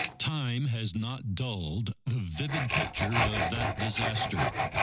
Time has not dulled the vivid picture of that disaster.